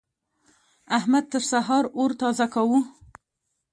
احمد تر سهار اور تازه کاوو.